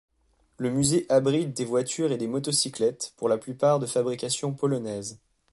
Le musée abrite des voitures et des motocyclettes, pour la plupart de fabrication polonaises.